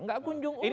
gak kunjung urus saya